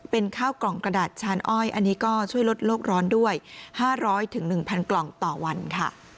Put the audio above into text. เป็นข้าวกล่องกระดาษชานอ้อยอันนี้ก็ช่วยลดโลกร้อนด้วย๕๐๐๑๐๐กล่องต่อวันค่ะ